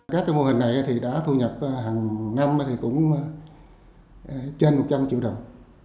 các mô hình này đã thu nhập hàng năm trên một trăm linh triệu đồng